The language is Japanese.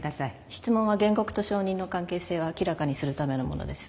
質問は原告と証人の関係性を明らかにするためのものです。